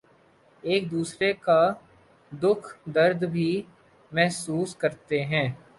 ایک دوسرے کا دکھ درد بھی محسوس کرتے ہیں